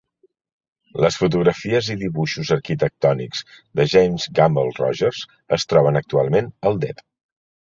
Les fotografies i dibuixos arquitectònics de James Gamble Rogers es troben actualment al Dep.